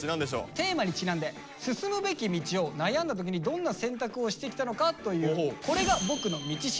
テーマにちなんで進むべき道を悩んだ時にどんな選択をしてきたのかという「これが僕の道しるべ」です。